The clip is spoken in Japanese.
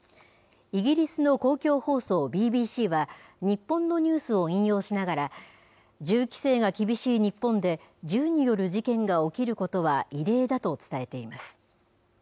イギリスの公共放送ＢＢＣは、日本のニュースを引用しながら、銃規制が厳しい日本で、銃による事件が起きることは異例だと伝えています。